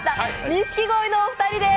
錦鯉のお二人です。